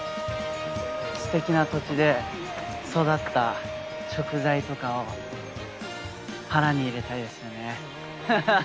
すてきな土地で育った食材とかを腹に入れたいですよね。